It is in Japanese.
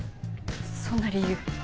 そんな理由？